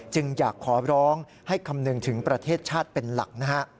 จึงอยากขอร้องให้คำนึงถึงประเทศชาติเป็นหลักนะฮะ